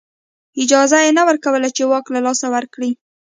اجازه یې نه ورکوله چې واک له لاسه ورکړي